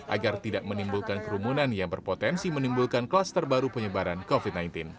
agar tidak menimbulkan kerumunan yang berpotensi menimbulkan kluster baru penyebaran covid sembilan belas